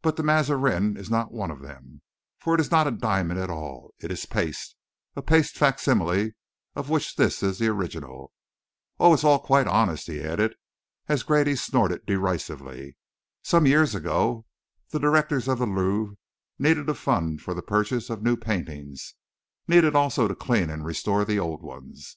But the Mazarin is not one of them; for it is not a diamond at all; it is paste a paste facsimile of which this is the original. Oh, it is all quite honest," he added, as Grady snorted derisively. "Some years ago, the directors of the Louvre needed a fund for the purchase of new paintings; needed also to clean and restore the old ones.